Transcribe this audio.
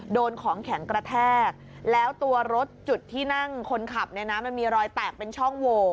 โดนของแข็งกระแทกแล้วตัวรถจุดที่นั่งคนขับเนี่ยนะมันมีรอยแตกเป็นช่องโหว